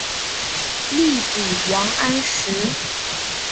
力抵王安石。